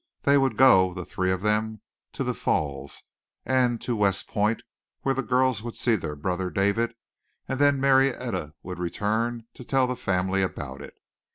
They would go, the three of them, to the Falls, and to West Point, where the girls would see their brother David, and then Marietta would return to tell the family about it.